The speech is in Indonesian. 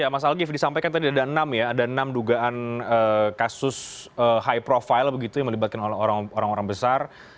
mas algif disampaikan tadi ada enam dugaan kasus high profile yang melibatkan orang orang besar